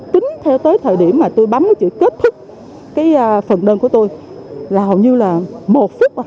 kết thúc cái phần đơn của tôi là hầu như là một phút